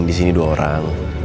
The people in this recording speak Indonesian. di sini dua orang